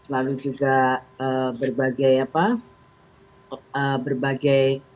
lalu juga berbagai apa